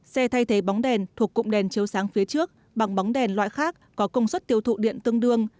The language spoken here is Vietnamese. xe thay thế bóng đèn thuộc cụm đèn chiếu sáng phía trước bằng bóng đèn loại khác có công suất tiêu thụ điện tương đương